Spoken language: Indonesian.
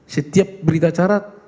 setiap berita acara